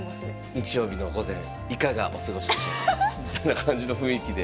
日曜日の午前いかがお過ごしでしょうかみたいな感じの雰囲気で。